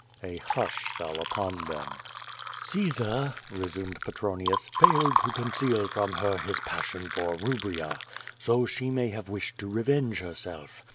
A husli fell upon them. "]» QUO VADIS. 247 "Caesar," resumed Petronius, "failed to conceal from hor his passion for lUibria. So she may have wished to revenge hci self.